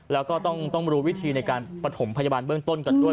แล้วก็ต้องรู้วิธีในการประถมพยาบาลเบื้องต้นกันด้วย